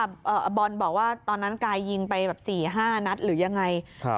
บอลบอกว่าตอนนั้นกายยิงไปแบบสี่ห้านัดหรือยังไง